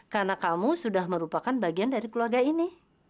karena kamu sudah merupakan bagian dari keluarga ini